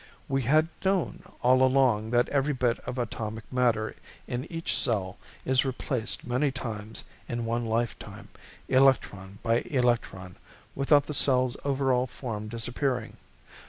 We had known all along that every bit of atomic matter in each cell is replaced many times in one lifetime, electron by electron, without the cell's overall form disappearing.